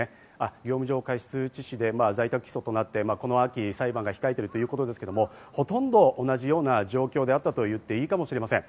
業務上過失致死で在宅起訴となってこの秋、裁判が控えているということですが、ほとんど同じような状況であったと言っていいかもしれません。